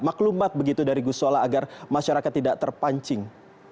maka maklumat begitu dari gus solah agar masyarakat tidak terpancing